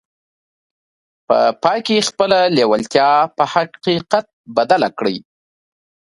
په پای کې يې خپله لېوالتیا په حقيقت بدله کړه.